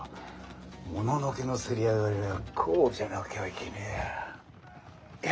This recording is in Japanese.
もののけのせり上がりはこうじゃなきゃいけねえや。